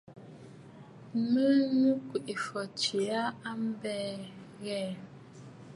Miʼi mɨ Kweʼefɔ̀ tswe aa a mbɛ̀ɛ̀ ŋ̀gɛ̀ɛ̀.